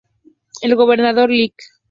El Gobernador Lic.